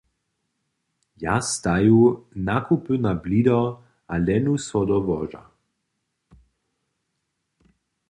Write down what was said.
Ja staju nakupy na blido a lehnu so do łoža.